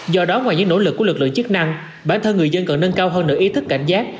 do đó ngoài những nỗ lực của lực lượng chức năng bản thân người dân cần nâng cao hơn nửa ý thức cảnh giác